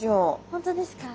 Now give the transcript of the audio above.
本当ですか？